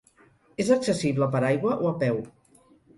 És accessible per aigua o a peu.